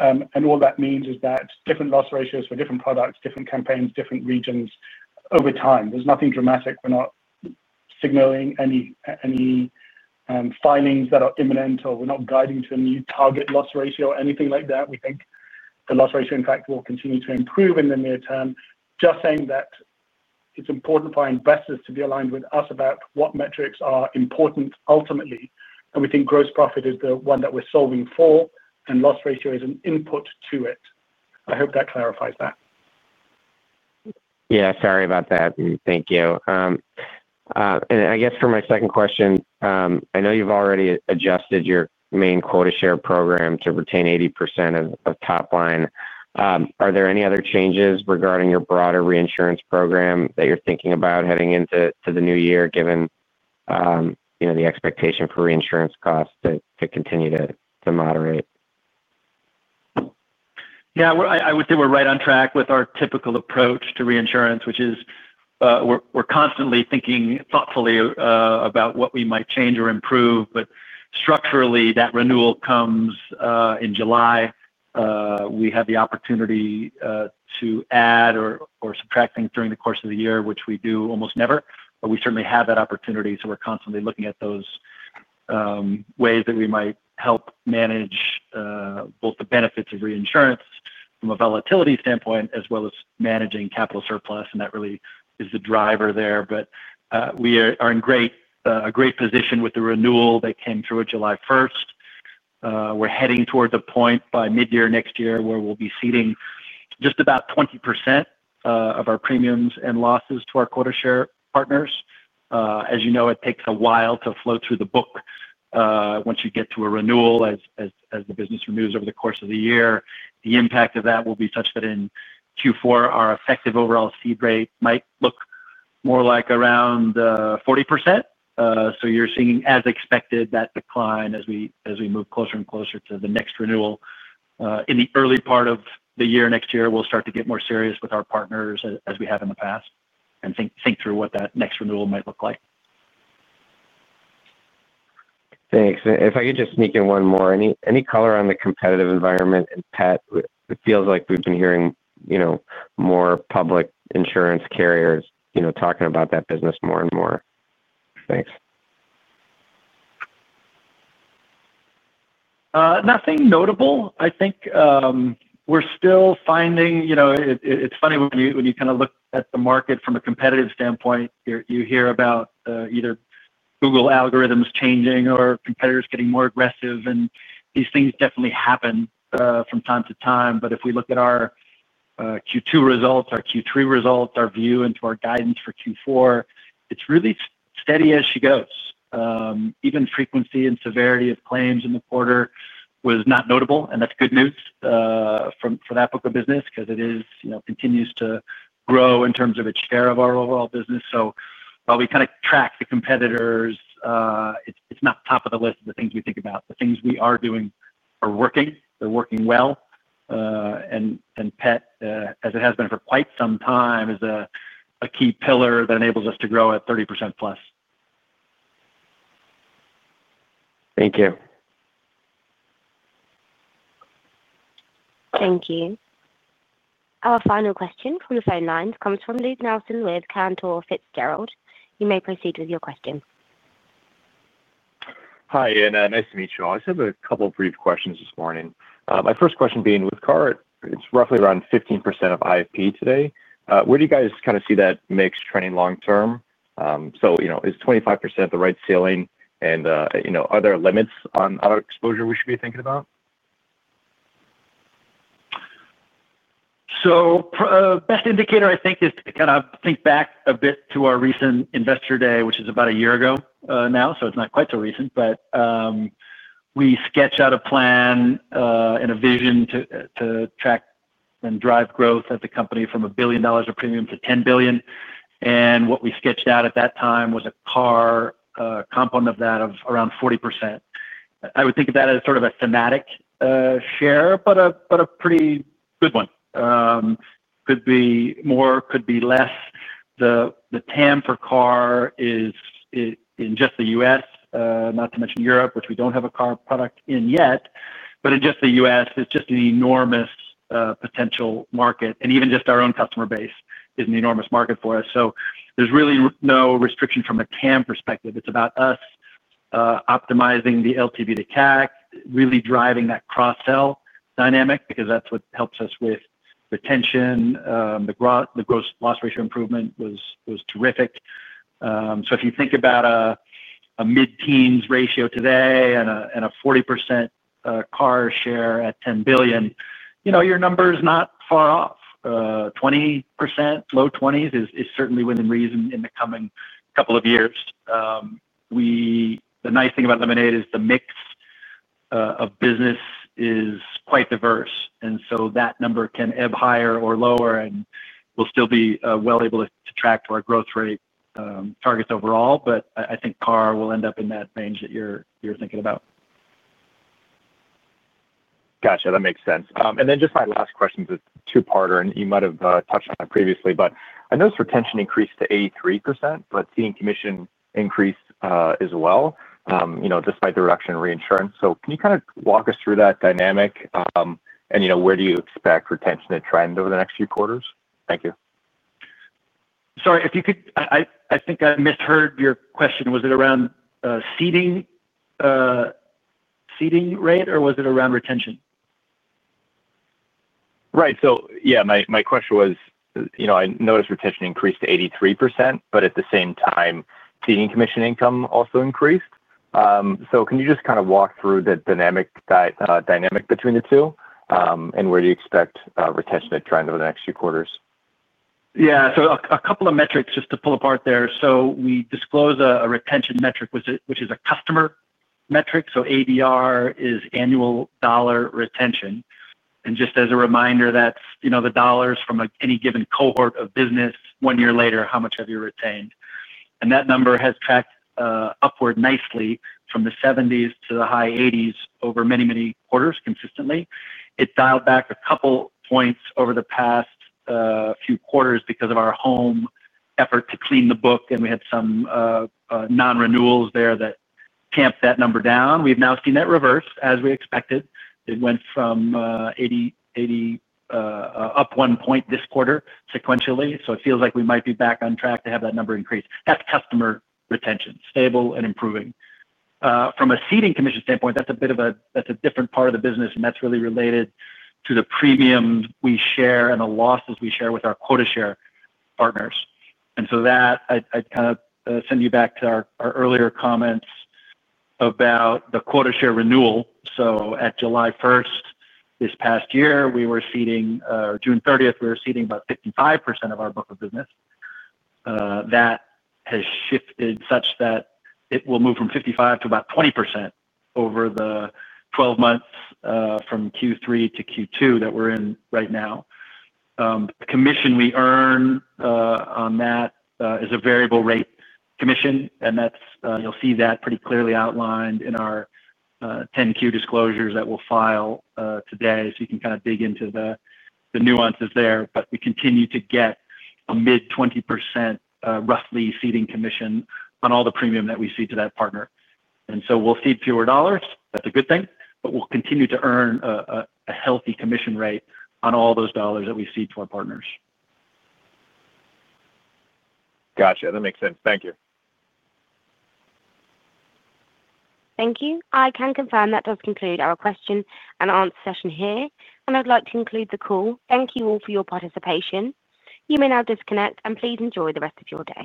All that means is that different loss ratios for different products, different campaigns, different regions over time, there is nothing dramatic. We are not signaling any findings that are imminent or we are not guiding to a new target loss ratio or anything like that. We think the loss ratio, in fact, will continue to improve in the near term. Just saying that it is important for investors to be aligned with us about what metrics are important ultimately. We think gross profit is the one that we're solving for and loss ratio is an input to it. I hope that clarifies that. Yeah, sorry about that. Thank you. I guess for my second question, I know you've already adjusted your main quota share program to retain 80% of top line. Are there any other changes regarding your broader reinsurance program that you're thinking about heading into the new year, given the expectation for reinsurance costs to continue to moderate? Yeah, I would say we're right on track with our typical approach to reinsurance, which is we're constantly thinking thoughtfully about what we might change or improve. Structurally that renewal comes in July. We have the opportunity to add or subtract during the course of the year, which we do almost never, but we certainly have that opportunity. We're constantly looking at those ways that we might help manage both the benefits of reinsurance from a volatility standpoint as well as managing capital surplus. That really is the driver there. We are in a great position with the renewal that came through July 1, we're heading toward the point by mid year next year where we'll be ceding just about 20% of our premiums and losses to our quota share partners. As you know, it takes a while to float through the book once you get to a renewal. As the business renews over the course of the year, the impact of that will be such that in Q4 our effective overall cede rate might look more like around 40%. You're seeing, as expected, that decline as we move closer and closer to the next renewal in the early part of the year next year. We'll start to get more serious with our partners as we have in the past and think through what that next renewal might look like. Thanks. If I could just sneak in one more, any color on the competitive environment in pet, it feels like we've been hearing, you know, more public insurance carriers, you know, talking about that business more and more. Thanks. Nothing notable, I think we're still finding. You know, it's funny when you kind of look at the market from a competitive standpoint, you hear about either Google algorithms changing or competitors getting more aggressive. These things definitely happen from time to time. If we look at our Q2 results, our Q3 results, our view into our guidance for Q4, it's really steady as she goes. Even frequency and severity of claims in the quarter was not notable. That's good news for that book of business because it is, you know, continues to grow in terms of its share of our overall business. While we kind of track the competitors, it's not top of the list of the things we think about, the things we are doing are working, they're working well. And pet, as it has been for quite some time, is a key pillar that enables us to grow at 30% plus. Thank you. Thank you. Our final question from the phone lines comes from Luke Nelson with Cantor Fitzgerald. You may proceed with your question. Hi and nice to meet you all. I just have a couple of brief questions this morning. My first question being with Car at roughly around 15% of IFP today, where do you guys kind of see that maxing out long term? You know, is 25% the right ceiling and you know, are there limits on exposure we should be thinking about? Best indicator I think is to kind of think back a bit to our recent investor day, which is about a year ago now. It is not quite so recent. We sketched out a plan and a vision to track and drive growth at the company from $1 billion of premium to $10 billion. What we sketched out at that time was a Car component of that of around 40%. I would think of that as sort of a thematic share, but a pretty good one. Could be more, could be less. The TAM per car is in just the U.S., not to mention Europe, which we do not have a car product in yet, but in just the U.S. it is just an enormous potential market and even just our own customer base is an enormous market for us. There is really no restriction from a TAM perspective. It is about us optimizing the LTV to CAC, really driving that cross sell dynamic because that is what helps us with retention. The gross loss ratio improvement was terrific. If you think about a mid teens ratio today and a 40% car share at $10 billion, your number is not far off. 20% to low 20s is certainly within reason in the coming couple of years. The nice thing about Lemonade is the mix of business is quite diverse and so that number can ebb higher or lower and we'll still be well able to track our growth rate targets overall. I think car will end up in that range that you're, you're thinking about. Gotcha. That makes sense. My last question is a two parter and you might have touched on previously, but I noticed retention increased to 83% but ceding commission increased as well, you know, despite the reduction in reinsurance. Can you kind of walk us through that dynamic and you know, where do you expect retention to trend over the next few quarters? Thank you. Sorry. If you could. I think I misheard your question. Was it around ceding rate or was it around retention? Right. Yeah, my question was, you know, I noticed retention increased to 83% but at the same time ceding commission income also increased. Can you just kind of walk through the dynamic between the two and where do you expect retention to trend over the next few quarters? Yeah, a couple of metrics just to pull apart there. We disclose a retention metric which is a customer metric. ADR is annual dollar retention. And just as a reminder, that's, you know, the dollars from any given cohort of business one year later, how much have you retained? That number has tracked upward nicely from the 70s to the high 80s over many, many quarters. Consistently it dialed back a couple points over the past few quarters because of our Home effort to clean the book and we had some non-renewals there that tamped that number down. We have now seen that reverse as we expected. It went from 80, 80, up one point this quarter sequentially. It feels like we might be back on track to have that number increase. That is customer retention stable and improving. From a ceding commission standpoint, that is a bit of a, that is a different part of the business and that is really related to the premium we share and the losses we share with our quota share partners. I kind of send you back to our earlier comments about the quota share renewal. At July 1 this past year, we were ceding. June 30, we were ceding about 55% of our book of business. That has shifted such that it will move from 55% to about 20% over the 12 months from Q3 to Q2 that we're in right now. The commission we earn on that is a variable rate commission. You will see that pretty clearly outlined in our 10Q disclosures that we will file today. You can kind of dig into the nuances there. We continue to get a mid-20% roughly ceding commission on all the premium that we cede to that partner. We will cede fewer dollars. That is a good thing. We will continue to earn a healthy commission rate on all those dollars that we cede to our partners. Gotcha. That makes sense. Thank you. Thank you. I can confirm that does conclude our question and answer session here and I'd like to conclude the call. Thank you all for your participation. You may now disconnect and please enjoy the rest of your day.